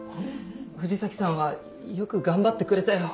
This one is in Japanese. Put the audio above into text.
藤崎さんはよく頑張ってくれたよ。